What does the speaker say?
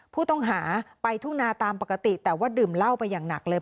ผู้ต้องหาไปทุ่งนาตามปกติแต่ว่าดื่มเหล้าไปอย่างหนักเลย